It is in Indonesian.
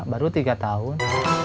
baru tiga tahun